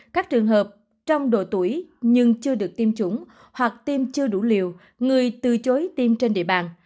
các trường hợp trong độ tuổi nhưng chưa được tiêm chủng hoặc tiêm chưa đủ liều người từ chối tiêm trên địa bàn